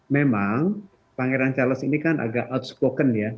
memang pangeran charles ini kan agak outspoken ya